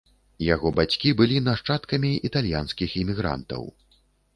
Яго бацькі былі нашчадкамі італьянскіх імігрантаў.